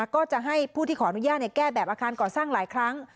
ก็จะให้ผู้ที่ขออนุญาตแก้แบบอาคารก่อสร้างหลายครั้ง